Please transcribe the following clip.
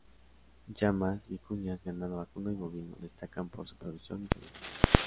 Llamas, vicuñas, ganado vacuno y bovino destacan por su producción y calidad.